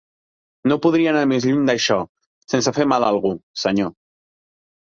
No podria anar més lluny d'això, sense fer mal a algú, senyor.